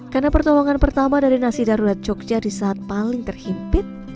karena pertolongan pertama dari nasi darurat jogja di saat paling terhimpit